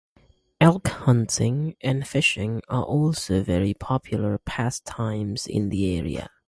Elk hunting and fishing are also very popular pastimes in the area.